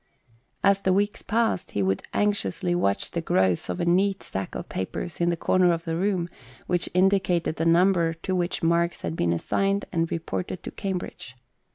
As the weeks passed, he would anxiously watch the growth of a neat stack of papers in the comer of the room, which indicated the number to which marks had been assigned and reported to Cambridge.